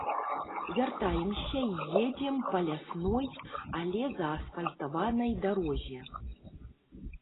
Вяртаемся і едзем па лясной, але заасфальтаванай дарозе.